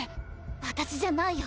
私じゃないよ。